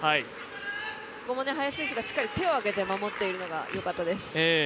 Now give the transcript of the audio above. ここも林選手がしっかり手を上げて守っているのがよかったです。